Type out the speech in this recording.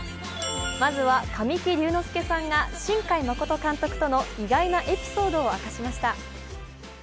まずは、神木隆之介さんが新海誠監督との意外なエピソードを明かしました。